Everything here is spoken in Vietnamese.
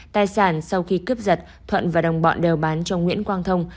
tài sản sau khi cướp giật thuận và đồng bọn đều bán cho nguyễn quang thông